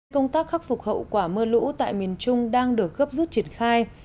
công tác khắc phục hậu quả mưa lũ tại miền trung đang được gấp rút triển khai